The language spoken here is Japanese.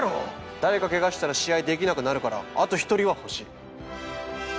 誰かケガしたら試合できなくなるからあと１人は欲しい。